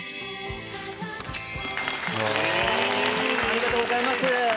ありがとうございます。